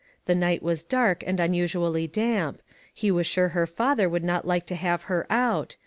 The night was dark, and unusually damp ; he was sure her father would not like to have her out.